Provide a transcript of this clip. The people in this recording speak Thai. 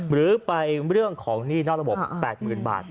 หรือไปเรื่องของหนี้นอกระบบ๘๐๐๐บาท